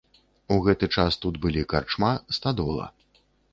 У гэты час тут былі карчма, стадола.